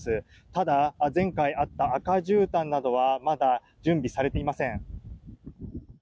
ただ、前回あった赤じゅうたんなどはまだ準備されていません。